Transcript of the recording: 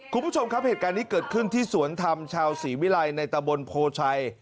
คุณผู้ชมครับเหตุการณ์นี้เกิดขึ้นที่สวนธรรมชาวศรีวิรัยในตะบนโพชัย